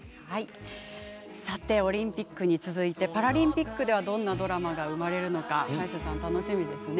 オリンピックに続いてパラリンピックではどんなドラマが生まれるのか早瀬さん楽しみですね。